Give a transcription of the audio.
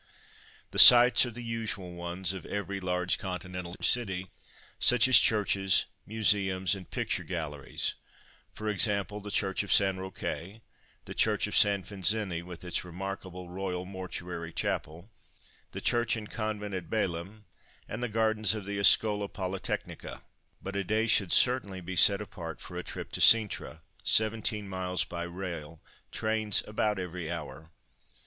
The sights are the usual ones of every large Continental city, such as churches, museums, and picture galleries; e.g. the Church of San Roque, the Church of San Vincente with its remarkable Royal Mortuary Chapel, the church and convent at Belem, and the gardens of the Escola Polytechnica. But a day should certainly be set apart for a trip to Cintra (17m. by rail, trains about every hour).